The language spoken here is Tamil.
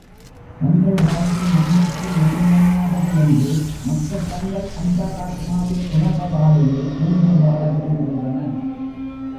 தங்கள் வாழ்வின் நன்மைக்கு இன்றியமையாதவை என்று மக்கள் தங்கள் அந்த ராத்மாவில் உணர்வதாலேயே மீண்டும் வாழ விரும்புகின்றனர்.